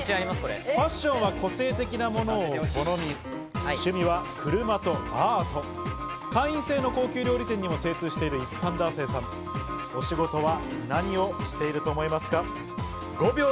ファッションは個性的なものを好み、趣味は車とアート、会員制の高級料理店にも精通している一般男性さん、お仕事は何をしていると思いますか？